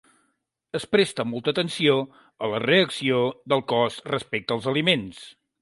Es presta molta atenció a la reacció del cos respecte als aliments.